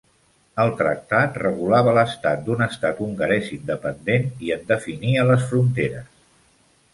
El tractat regulava l'estat d'un estat hongarès independent i en definia les fronteres.